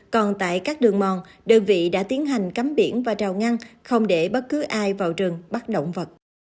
còn tại các đường mòn đơn vị đã tiến hành cắm biển và rào ngăn không để bất cứ ai vào rừng bắt động vật